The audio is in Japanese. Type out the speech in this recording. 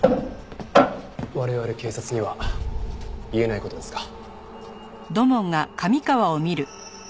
我々警察には言えない事ですか？